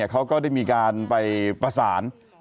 เขาก็ได้มีการไปประสาน